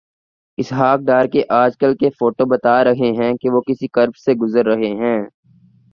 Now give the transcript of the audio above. اسحاق ڈار کے آج کل کے فوٹوبتا رہے ہیں کہ وہ کس کرب سے گزر رہے ہیں۔